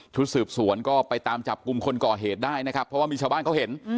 ชุดสืบสวนก็ไปตามจับกลุ่มคนก่อเหตุได้นะครับเพราะว่ามีชาวบ้านเขาเห็น